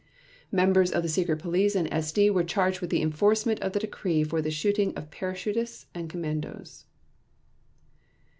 Members of the Security Police and SD were charged with the enforcement of the decree for the shooting of parachutists and commandos.